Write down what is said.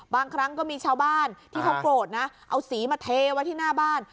บางครั้งก็มีชาวบ้านที่เขาโกรธนะเอาสีมาเทไว้ที่หน้าบ้าน